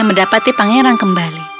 mendapati pangeran kembali